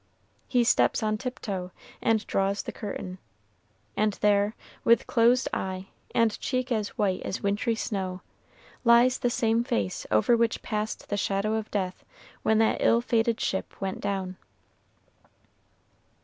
He steps on tiptoe, and draws the curtain; and there, with closed eye, and cheek as white as wintry snow, lies the same face over which passed the shadow of death when that ill fated ship went down.